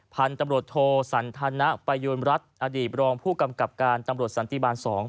พันธุ์ตำรวจโทสันธนประโยณรัฐอดีตรองผู้กำกับการตำรวจสันติบาล๒